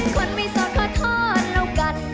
คนไม่สดขอโทษแล้วกัน